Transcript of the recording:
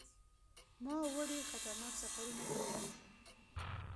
ما اووه ډیر خطرناک سفرونه کړي دي.